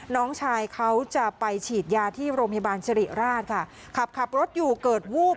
น้องชายเขาจะไปฉีดยาที่โรงพยาบาลสิริราชค่ะขับขับรถอยู่เกิดวูบ